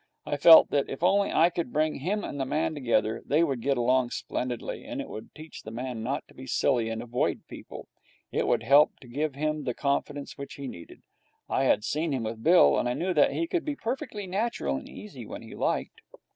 I felt that if only I could bring him and the man together, they would get along splendidly, and it would teach the man not to be silly and avoid people. It would help to give him the confidence which he needed. I had seen him with Bill, and I knew that he could be perfectly natural and easy when he liked.